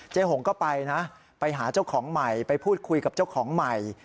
หงก็ไปนะไปหาเจ้าของใหม่ไปพูดคุยกับเจ้าของใหม่